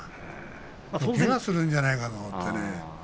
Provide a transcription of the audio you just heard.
けがするんじゃないかなと思ってね。